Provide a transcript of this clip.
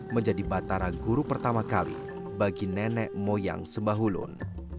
menjadi batara guru pertama kali bagi nenek moyang sembahulun